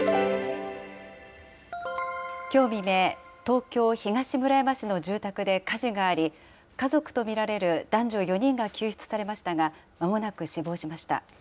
きょう未明、東京・東村山市の住宅で火事があり、家族と見られる男女４人が救出されましたが、まもなく死亡しました。